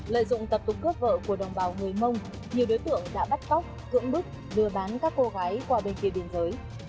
lợi dụng tập tục cướp vợ của đồng bào người mông nhiều đối tượng đã bắt cóc cưỡng bức lừa bán các cô gái qua bên kia biên giới